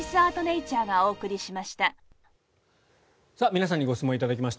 皆さんにご質問頂きました。